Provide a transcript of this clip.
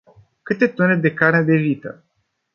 Câte tone de carne de vită?